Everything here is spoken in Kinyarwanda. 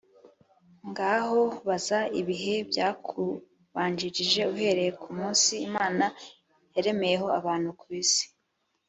ngaho baza ibihe byakubanjirije, uhereye ku munsi imana yaremeyeho abantu ku isi